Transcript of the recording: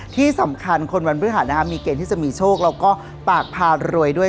ที่สำคัญคนวันพฤหัสมีเกณฑ์ที่จะมีโชคแล้วก็ปากพารวยด้วย